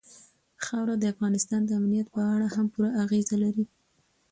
خاوره د افغانستان د امنیت په اړه هم پوره اغېز لري.